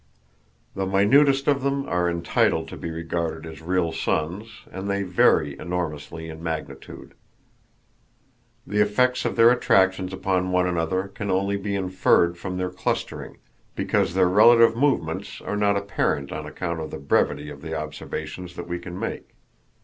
The minutest of them are entitled to be regarded as real suns, and they vary enormously in magnitude. The effects of their attractions upon one another can only be inferred from their clustering, because their relative movements are not apparent on account of the brevity of the observations that we can make.